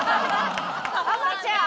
浜ちゃん！